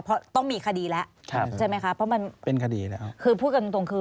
เพราะต้องมีคดีแล้วใช่ไหมคะเพราะมันคือพูดกันตรงคือ